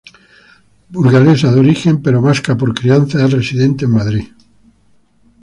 Burgalesa de origen pero vasca por crianza, es residente en Madrid.